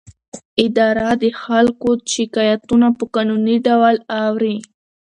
اداره د خلکو شکایتونه په قانوني ډول اوري.